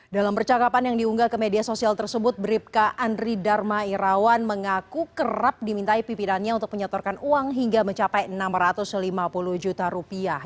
dalam percakapan yang diunggah ke media sosial tersebut bribka andri dharma irawan mengaku kerap dimintai pimpinannya untuk menyetorkan uang hingga mencapai enam ratus lima puluh juta rupiah